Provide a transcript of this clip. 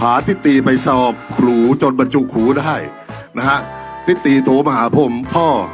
ที่ดูแลติติพาติติไปสอบครูจนมาจุกครูได้นะฮะติติโถมหาพ่มพ่อ